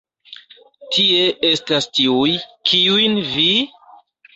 Tie estas tiuj, kiujn vi?